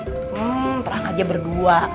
hmm terang aja berdua